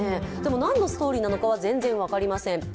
何のストーリーなのかは全然分かりません。